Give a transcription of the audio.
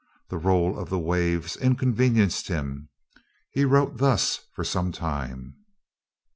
The roll of the waves inconvenienced him. He wrote thus for some time.